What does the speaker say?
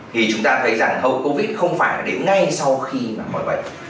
thì chúng ta thấy rằng hậu covid không phải đến ngay sau khi mà mỏi bệnh